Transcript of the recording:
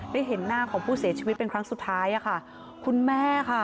ได้เห็นหน้าของผู้เสียชีวิตเป็นครั้งสุดท้ายค่ะ